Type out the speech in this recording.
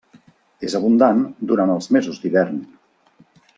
És abundant durant els mesos d'hivern.